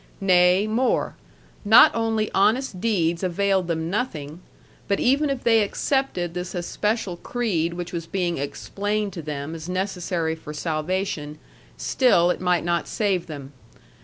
Nay, more: not only honest deeds availed them nothing, but even if they accepted this especial creed which was being explained to them as necessary for salvation, still it might not save them.